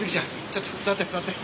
ちょっと座って座って。